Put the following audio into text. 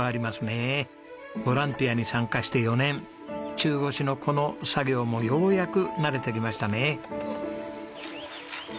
ボランティアに参加して４年中腰のこの作業もようやく慣れてきましたね。